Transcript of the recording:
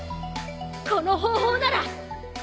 この方法なら。